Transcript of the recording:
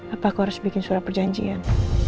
apa aku harus bikin surat perjanjian